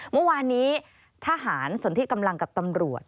เมื่อวานนี้ทหารส่วนที่กำลังกับตำรวจ